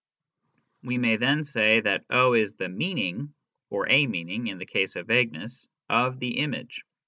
We may then say that is the " meaning " (or a meaning, in the case of vagueness) of the image.